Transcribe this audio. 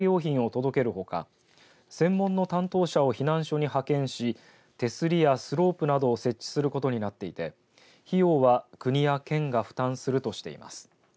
協定では県の要請に応じて協会が避難所に介護や衛生用品を届けるほか専門の担当者を避難所に派遣し手すりやスロープなどを設置することになっていて費用は国や県が負担するとしています。